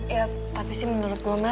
ya tapi sih menurut gue mah